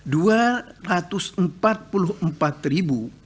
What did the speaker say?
dua ratus empat puluh empat ribu